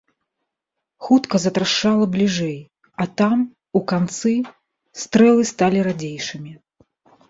Хутка затрашчала бліжэй, а там, у канцы, стрэлы сталі радзейшымі.